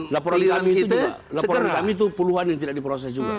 laporan kami itu puluhan yang tidak diproses juga